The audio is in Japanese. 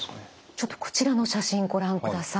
ちょっとこちらの写真ご覧ください。